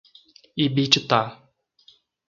Ibititá